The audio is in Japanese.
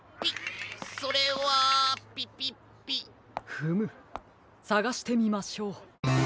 フムさがしてみましょう。